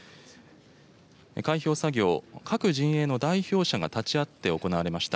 開票作業、各陣営の代表者が立ち会って行われました。